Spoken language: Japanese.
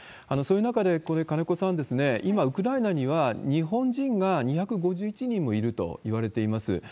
そういう中で、これ、金子さん、今、ウクライナには日本人が２５１人もいるといわれています。